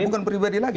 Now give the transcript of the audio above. itu bukan pribadi lagi